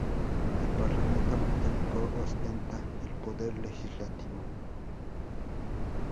El Parlamento británico ostenta el Poder legislativo.